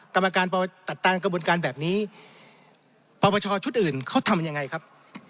กรรมการตัดตามกระบวนการแบบนี้ปปชชุดอื่นเขาทำยังไงครับ